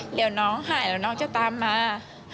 เดี๋ยวน้องหายแล้วน้องจะตามมา